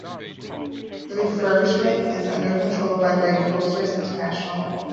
The refurbishment is under control by Great Coasters International.